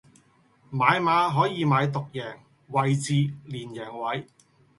買馬可以買獨贏、位置、連贏位